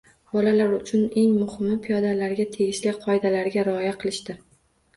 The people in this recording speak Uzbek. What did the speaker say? Bolalar uchun eng muhimi – piyodalarga tegishli qoidalarga rioya qilishdir.